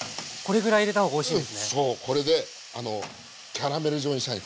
そうこれであのキャラメル状にしたい。